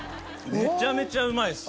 めちゃめちゃうまいです。